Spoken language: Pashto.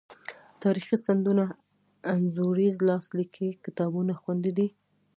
تاریخي سندونه، انځوریز لاس لیکلي کتابونه خوندي دي.